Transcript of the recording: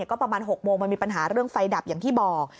ก็ประมาณ๖โมงมันมีปัญหาเรื่องไฟดับอย่างที่บอก